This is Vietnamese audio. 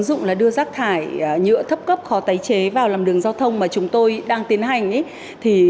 ứng dụng là đưa rác thải nhựa thấp cấp khó tái chế vào làm đường giao thông mà chúng tôi đang tiến hành thì